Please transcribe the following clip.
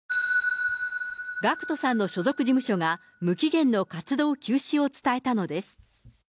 ＧＡＣＫＴさんの所属事務所が、無期限の活動休止を伝えたのです。